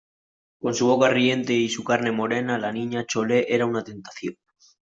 con su boca riente y su carne morena, la Niña Chole era una tentación.